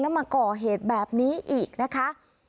แล้วมาก่อเหตุแบบนี้อีกนะคะ